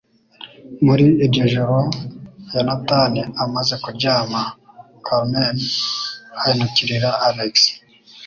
Muri iryo joro, Yonatani amaze kuryama, Carmen ahindukirira Alex.